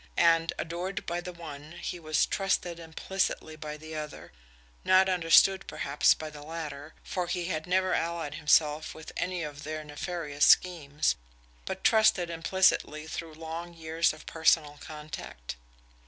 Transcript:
And, adored by the one, he was trusted implicitly by the other not understood, perhaps, by the latter, for he had never allied himself with any of their nefarious schemes, but trusted implicitly through long years of personal contact.